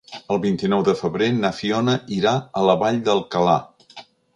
El vint-i-nou de febrer na Fiona irà a la Vall d'Alcalà.